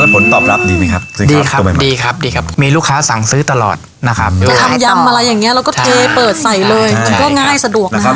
เราก็เทเปิดใส่เลยใช่ใช่ก็ง่ายสะดวกนะครับนะครับ